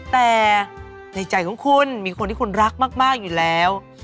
แต่ในใจของคุณมีคนที่คุณรักมากอยู่แล้ว